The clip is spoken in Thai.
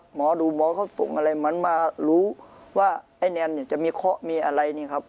หมอดูหมอเขาส่งอะไรเหมือนมารู้ว่าไอ้แนนเนี่ยจะมีเคาะมีอะไรนี่ครับ